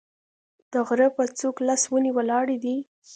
د غره په څوک لس ونې ولاړې دي